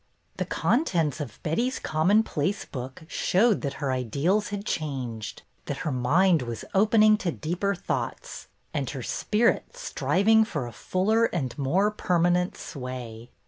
The contents of Betty's commonplace book showed that her ideals had changed, that her mind was opening to deeper thoughts, and her spirit striving for a fuller and more perma nent sway.